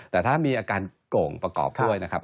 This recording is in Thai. แต่ถ้ามีอาการโก่งประกอบด้วยนะครับ